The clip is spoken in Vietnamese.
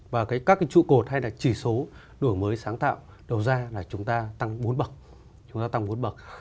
và các cái trụ cột hay là chỉ số đổi mới sáng tạo đồ ra là chúng ta tăng bốn bậc